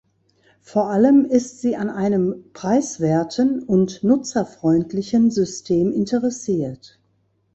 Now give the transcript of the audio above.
Vor allem ist sie an einem preiswerten und nutzerfreundlichen System interessiert.